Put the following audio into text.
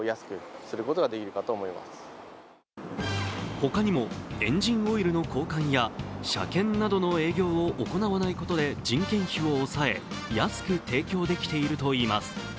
他にも、エンジンオイルの交換や車検などの営業を行わないことで人件費を抑え、安く提供できているといいます。